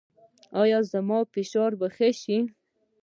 ایا زما فشار به ښه شي؟